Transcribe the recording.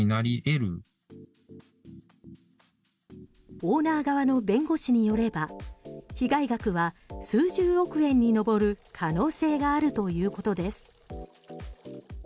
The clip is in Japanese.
オーナー側の弁護士によれば被害額は数十億円に上る可能性があるということです。